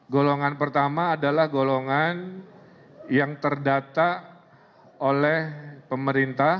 golongan pertama adalah golongan yang terdata oleh pemerintah